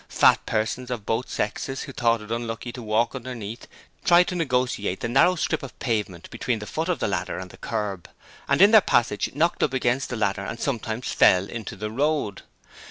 Fat persons of both sexes who thought it unlucky to walk underneath, tried to negotiate the narrow strip of pavement between the foot of the ladder and the kerb, and in their passage knocked up against the ladder and sometimes fell into the road.